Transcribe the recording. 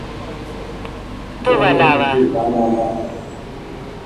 gọọmenti steeti Anambra